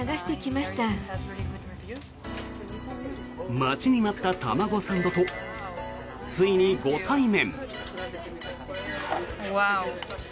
待ちに待った卵サンドとついにご対面。